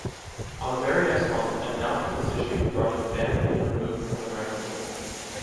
On the very next month, an announcement was issued regarding the band being removed from their record label.